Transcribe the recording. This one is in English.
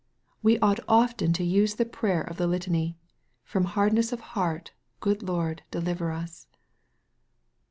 We ought olten to use the prayer of the Litany, " Firom hardness of heart. Good Lord, deliver us."